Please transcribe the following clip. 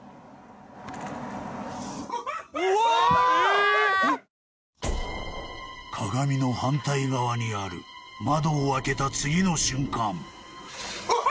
うわ鏡の反対側にある窓を開けた次の瞬間あっ！